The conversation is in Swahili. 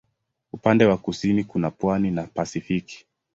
Upande wa kusini kuna pwani na Pasifiki.